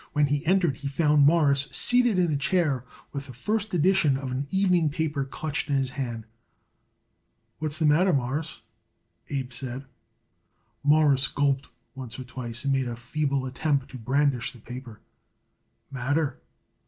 When he entered he found Morris seated in a chair with the first edition of an evening paper clutched in his hand. "What's the matter, Mawruss?" Abe said. Morris gulped once or twice and made a feeble attempt to brandish the paper. "Matter?"